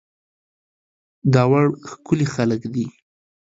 داوړ ښکلي خلک دي